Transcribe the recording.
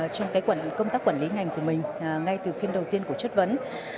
trong công tác quản lý ngành của mình ngay từ phiên đầu tiên của chất vấn